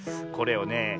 これをね